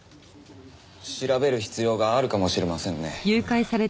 調べる必要があるかもしれませんね。